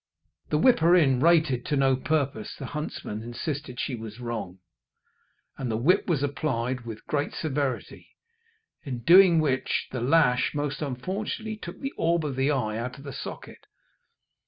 The whipper in rated to no purpose, the huntsman insisted she was wrong, and the whip was applied with great severity, in doing which the lash most unfortunately took the orb of the eye out of the socket.